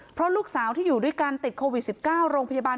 เพราะลูกสาวที่อยู่ด้วยกันติดโควิด๑๙โรงพยาบาล